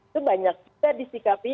itu banyak kita disikapi